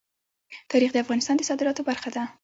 تاریخ د افغانستان د صادراتو برخه ده.